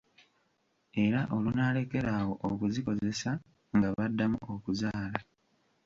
Era olunaalekera awo okuzikozesa nga baddamu okuzaala.